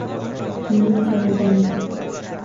Kimning jig‘ildoniga?